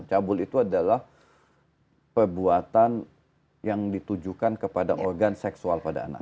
cabul itu adalah perbuatan yang ditujukan kepada organ seksual pada anak